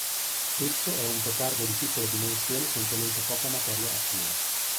Esso è un petardo di piccole dimensioni contenente poca materia attiva.